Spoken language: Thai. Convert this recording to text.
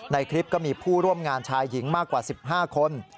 ในคลิปก็มีผู้ร่วมงานชายหญิงมากกว่า๑๕คน